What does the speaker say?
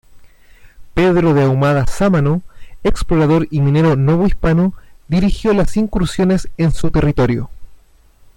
Pedro de Ahumada Sámano, explorador y minero novohispano dirigió las incursiones en su territorio.